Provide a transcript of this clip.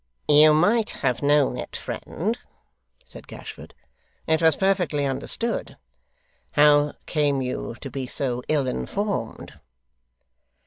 'You might have known it, friend,' said Gashford, 'it was perfectly understood. How came you to be so ill informed?